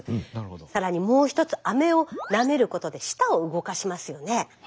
更にもう１つアメをなめることで舌を動かしますよね。